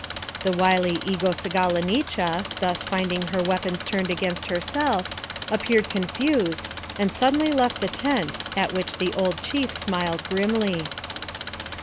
133 The wily Egosegalonicha, thus finding her weapons turned against herself, appeared confused, and suddenly left the tent, at which the old chief smiled grimly.